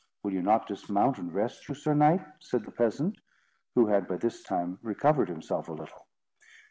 "Will you not dismount and rest you, Sir Knight?" said the peasant, who had, by this time, recovered himself a little.